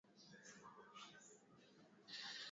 inaunganishwa kwenye vyombo vya umoja wa afrika mashariki ikiwa